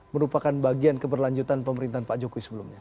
merupakan bagian keberlanjutan pemerintahan pak jokowi sebelumnya